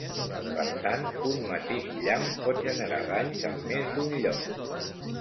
Per tant, un mateix llamp pot generar danys en més d’un lloc.